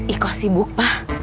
ikut sibuk pak